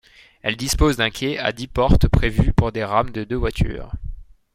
Elle dispose d'un quai à dix portes prévu pour des rames de deux voitures.